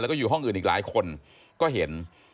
แล้วก็อยู่ห้องอื่นอีกหลายคนก็เห็น